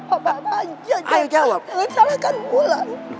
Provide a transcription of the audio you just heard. apa apa aja jangan salahkan wulan